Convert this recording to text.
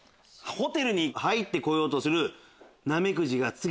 ホテルに入って来ようとする。